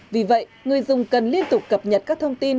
vì vậy người dùng cần liên tục cập nhật các thông tin